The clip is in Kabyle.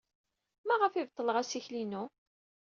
Maɣef ay beṭleɣ assikel-inu?